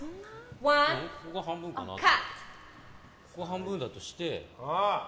ここ半分だとして。